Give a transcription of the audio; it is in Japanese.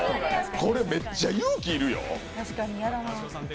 これめっちゃ勇気いるよ。